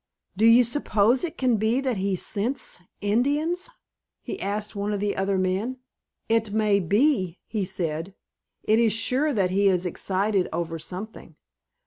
"Do you suppose it can be that he scents Indians?" he asked one of the other men. "It may be," he said. "It is sure that he is excited over something.